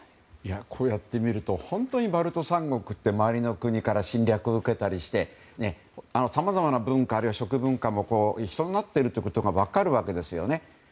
こうやってみると本当にバルト三国って周りの国から侵略を受けたりしてさまざまな文化、食文化が一緒になってるということが分かるわけですよね。